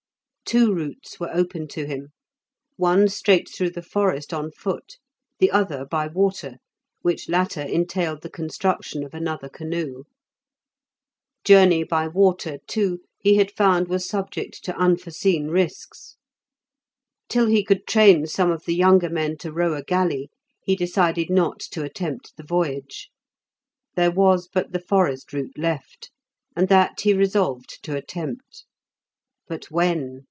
Two routes were open to him; one straight through the forest on foot, the other by water, which latter entailed the construction of another canoe. Journey by water, too, he had found was subject to unforeseen risks. Till he could train some of the younger men to row a galley, he decided not to attempt the voyage. There was but the forest route left, and that he resolved to attempt; but when?